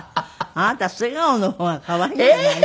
あなた素顔の方が可愛いじゃないの。